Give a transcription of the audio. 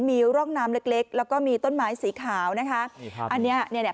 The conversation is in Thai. มีร่องน้ำเล็กเล็กแล้วก็มีต้นไม้สีขาวนะฮะอันนี้เนี่ยเนี่ย